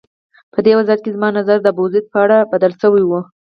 په دې وخت کې زما نظر د ابوزید په اړه بدل شوی و.